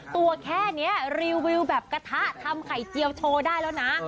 ตัวแค่นี้รีวิวแบบกระทะทำไข่เจียวโชว์ได้แล้วนะ